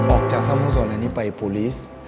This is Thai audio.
ออกจากสมุตินี้ไปผู้หญิง